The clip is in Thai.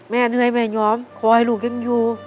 เหนื่อยแม่ยอมขอให้ลูกยังอยู่